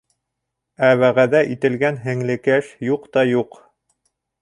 Ә вәғәҙә ителгән һеңлекәш юҡ та юҡ.